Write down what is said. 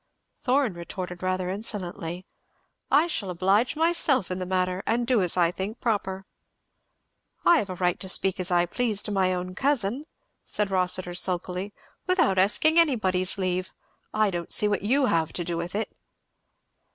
Thorn retorted rather insolently, "I shall oblige myself in the matter, and do as I think proper." "I have a right to speak as I please to my own cousin," said Rossitur sulkily, "without asking anybody's leave. I don't see what you have to do with it."